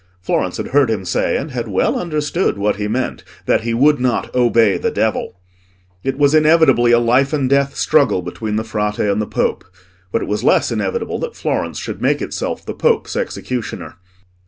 Florence had heard him say, and had well understood what he meant, that he would not obey the devil. It was inevitably a life and death struggle between the Frate and the Pope; but it was less inevitable that Florence should make itself the Pope's executioner.